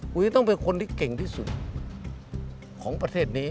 คุณจะต้องเป็นคนที่เก่งที่สุดของประเทศนี้